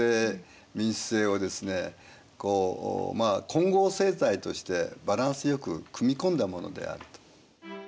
混合政体としてバランスよく組み込んだものであると。